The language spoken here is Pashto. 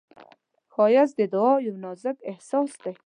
ښایست د دعا یو نازک احساس دی